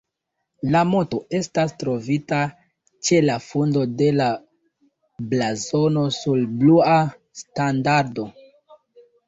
La moto estas trovita ĉe la fundo de la blazono sur blua standardo.